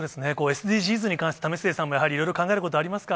ＳＤＧｓに関して、為末さんもやはり考えることがありますか。